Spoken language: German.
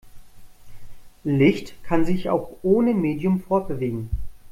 Licht kann sich auch ohne Medium fortbewegen.